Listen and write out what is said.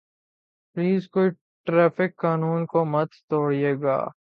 please کوئی traffic قانون کو مت توڑئے گا